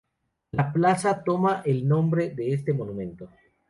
La plaza toma el nombre de este monumento.